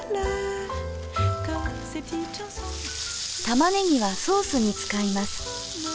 玉ねぎはソースに使います。